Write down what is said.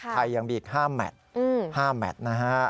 ไทยยังมีอีก๕แมทนะฮะ